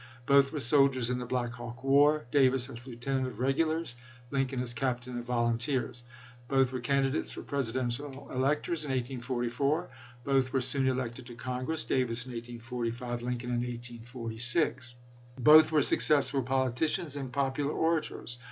Both were soldiers in the Black Hawk war — Davis as lieutenant of regulars, Lincoln as captain of volunteers. Both were candidates for Presidential electors in 1844. Both were soon elected to Congress — Davis in 1845, Lincoln in 1846. Both were successful poli ticians and popular orators.